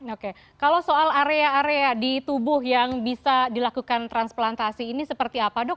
oke kalau soal area area di tubuh yang bisa dilakukan transplantasi ini seperti apa dok